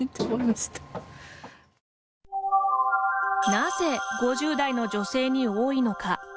なぜ、５０代の女性に多いのか。